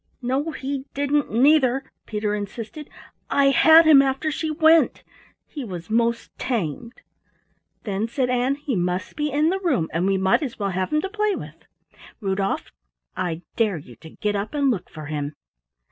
"No, he didn't neither," Peter insisted. "I had him after she went. He was 'most tamed." "Then," said Ann, "he must be in the room and we might as well have him to play with. Rudolf, I dare you to get up and look for him!"